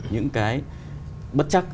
những cái bất chắc